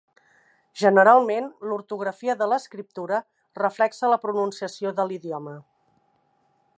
Generalment l'ortografia de l'escriptura reflexa la pronunciació de l'idioma.